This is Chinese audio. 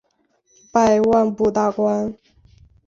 拜外部大官。